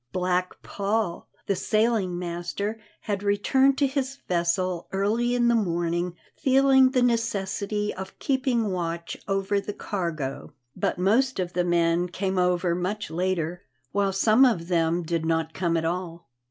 Black Paul, the sailing master, had returned to his vessel early in the morning, feeling the necessity of keeping watch over the cargo, but most of the men came over much later, while some of them did not come at all.